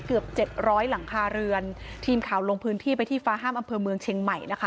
เกือบเจ็ดร้อยหลังคาเรือนทีมข่าวลงพื้นที่ไปที่ฟ้าห้ามอำเภอเมืองเชียงใหม่นะคะ